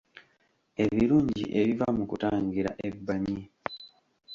Ebirungi ebiva mu kutangira ebbanyi